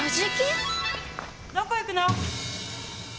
どこ行くの？